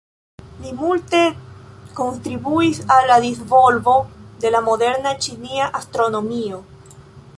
Li multe kontribuis al la disvolvo de la moderna ĉinia astronomio.